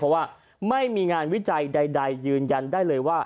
เพราะว่าไม่มีงานวิจัยใดยืนยันได้เลยว่า